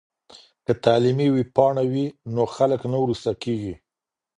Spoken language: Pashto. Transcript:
که تعلیمي ویبپاڼه وي نو خلګ نه وروسته کیږي.